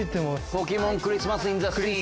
ポケモンクリスマスインザツリー。